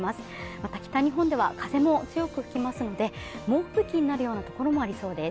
また北日本では風も強く吹きますので、猛吹雪になるようなところもありそうです。